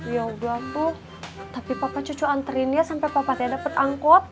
ya udah bu tapi papa cucu anterin dia sampai papa tidak dapat angkot